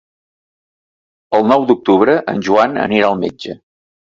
El nou d'octubre en Joan anirà al metge.